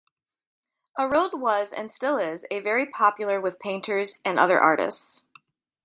Arild was and still is a very popular with painters and other artists.